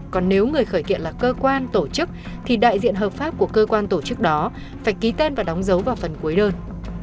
còn nếu người khởi kiện là cơ quan tổ chức thì đại diện hợp pháp của cơ quan tổ chức đó phải ký tên và đóng dấu vào phần cuối đơn